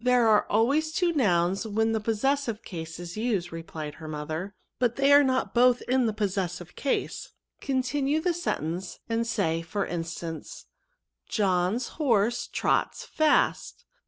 There are always two nouns when the possessive case is used," replied her mother ;but they are not both in the possessive case ; continue the sentence and say, for in stance, ^ John's horse trots fast.